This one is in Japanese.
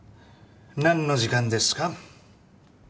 何の時間ですか？